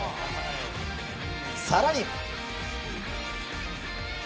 更に。